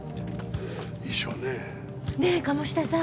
遺書ねえ。ねえ鴨志田さん